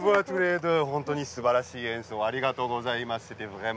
本当にすばらしい演奏ありがとうございます。